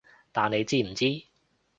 但你知唔知